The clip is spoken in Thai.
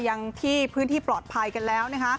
ยังที่พื้นที่ปลอดภัยกันแล้วนะคะ